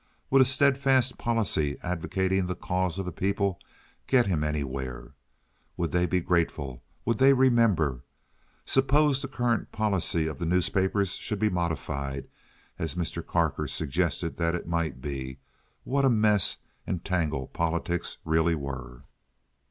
Would a steadfast policy advocating the cause of the people get him anywhere? Would they be grateful? Would they remember? Suppose the current policy of the newspapers should be modified, as Mr. Carker had suggested that it might be. What a mess and tangle politics really were!